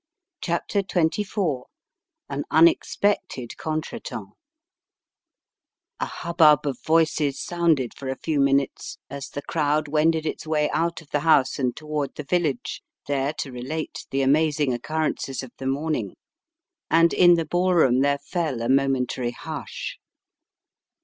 CHAPTER XXIV AN UNEXPECTED CONTRETEMPS A HUBBUB of voices sounded for a few min* utes as the crowd wended its way out of the house and toward the village, there to relate the amazing occurrences of the morning, and in the ballroom there fell a momentary hush.